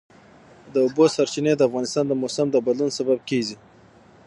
د اوبو سرچینې د افغانستان د موسم د بدلون سبب کېږي.